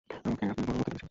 আমাকে আপনি বড়ো হতে দেখেছেন।